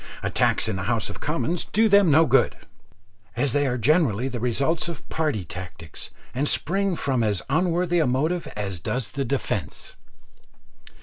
Attacks in the House of Commons do them no good, as they are generally the result of party tactics, and spring from as unworthy a motive as does the defence.